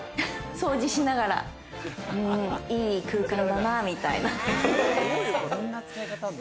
掃除しながら、いい空間だなみたいな。